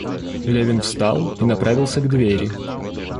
Левин встал и направился к двери.